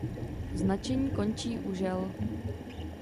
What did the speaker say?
Značení končí u žel.